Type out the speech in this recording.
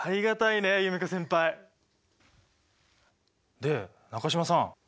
で中島さん